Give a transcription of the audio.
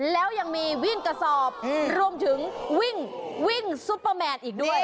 แล้วยังมีวิ่งกระสอบรวมถึงวิ่งวิ่งซุปเปอร์แมนอีกด้วย